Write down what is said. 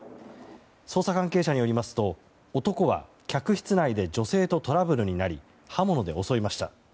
捜査関係者によりますと男は客室内で女性とトラブルになり刃物で襲いました。